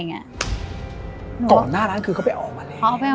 ก่อนหน้าร้านคือก็ไปออกมาแล้ว